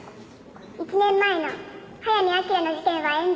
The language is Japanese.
「１年前の早見明の事件は冤罪だ」